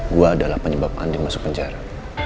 gue adalah penyebab banding masuk penjara